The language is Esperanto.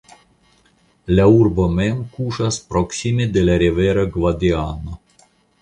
La urbo mem kuŝas proksime de la rivero Gvadiano.